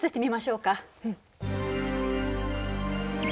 うん。